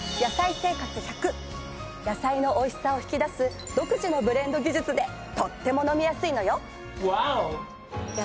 野菜のおいしさを引き出す独自のブレンド技術でとっても飲みやすいのよ。